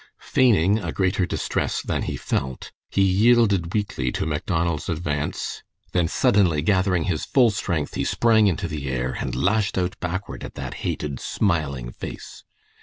Feigning a greater distress than he felt, he yielded weakly to Macdonald's advance, then suddenly gathering his full strength he sprang into the air and lashed out backward at that hated, smiling face.